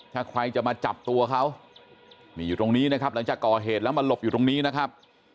ถ้าใครจะมาจับตัวเขานี่อยู่ตรงนี้นะครับหลังจากก่อเหตุแล้วมาหลบอยู่ตรงนี้นะครับ